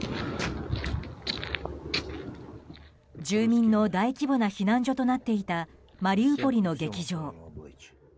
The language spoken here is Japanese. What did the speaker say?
住人の大規模な避難所となっていたマリウポリの劇場。